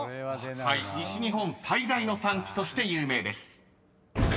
［はい西日本最大の産地として有名です］